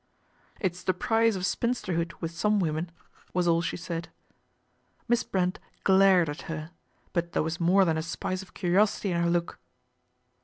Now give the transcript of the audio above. " It's the price of spinsterhood with some women," was all she said. Miss Brent glared at her ; but there wds more than a spice of curiosity in her look.